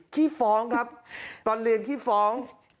ขี้ฟ้องครับตอนเรียนขี้ฟ้อง